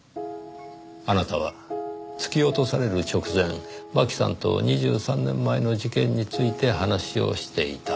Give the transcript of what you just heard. あなたは突き落とされる直前真紀さんと２３年前の事件について話をしていた。